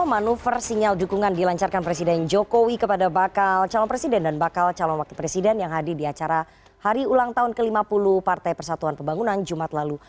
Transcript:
manuver sinyal dukungan dilancarkan presiden jokowi kepada bakal calon presiden dan bakal calon wakil presiden yang hadir di acara hari ulang tahun ke lima puluh partai persatuan pembangunan jumat lalu